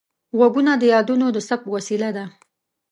غوږونه د یادونو د ثبت وسیله ده